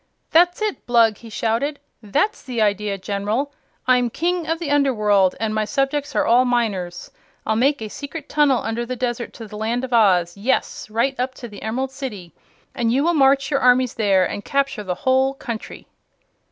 "That's it, Blug!" he shouted. "That's the idea, General! I'm King of the Under World, and my subjects are all miners. I'll make a secret tunnel under the desert to the Land of Oz yes! right up to the Emerald City and you will march your armies there and capture the whole country!"